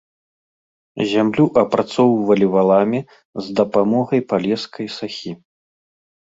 Зямлю апрацоўвалі валамі з дапамогай палескай сахі.